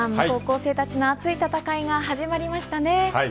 高校生の熱い戦いが始まりましたね。